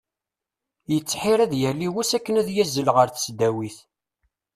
Yettḥir ad yali wass akken ad yazzel ɣer tesdawit.